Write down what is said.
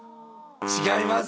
違います！